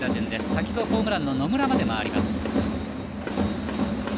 先ほどホームランの野村まで回ります。